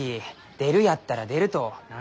出るやったら出ると何でひと言。